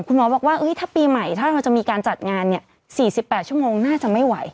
บอกว่าถ้าปีใหม่ถ้าเราจะมีการจัดงาน๔๘ชั่วโมงน่าจะไม่ไหว